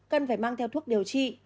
cần phải mang theo thuốc điều trị